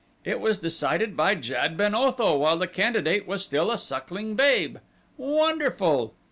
It was decided by Jad ben Otho while the candidate was still a suckling babe! Wonderful!